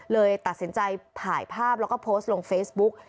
เลยตัดสินใจถ่ายภาพแล้วก็โพสต์ลงเฟซบุ๊ก